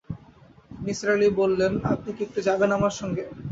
নিসার আলি বললেন, আপনি কি একটু যাবেন আমার সঙ্গে?